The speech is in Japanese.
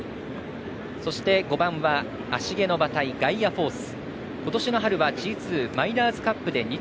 そして、５番は芦毛の馬体ガイアフォース。